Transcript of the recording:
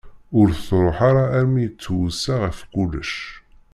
Ur truḥ ara armi i tt-tweṣṣa ɣef kullec.